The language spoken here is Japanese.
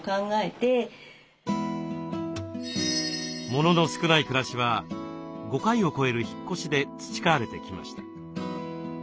モノの少ない暮らしは５回を超える引っ越しで培われてきました。